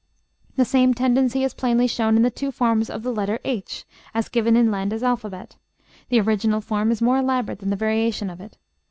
The same tendency is plainly shown in the two forms of the letter h, as given in Landa's alphabet; the original form is more elaborate than the variation of it.